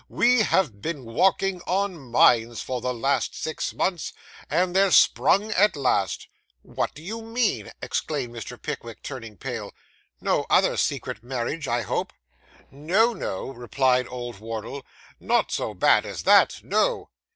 We have been walking on mines for the last six months, and they're sprung at last.' 'What do you mean?' exclaimed Mr. Pickwick, turning pale; 'no other secret marriage, I hope?' 'No, no,' replied old Wardle; 'not so bad as that; no.